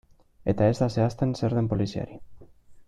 Eta ez da zehazten zer den poliziari.